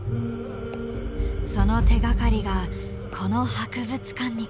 その手がかりがこの博物館に。